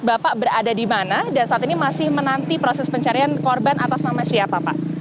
bapak berada di mana dan saat ini masih menanti proses pencarian korban atas nama siapa pak